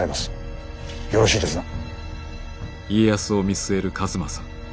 よろしいですな？